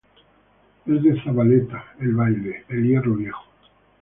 Es de Zabaleta el baile "El hierro viejo".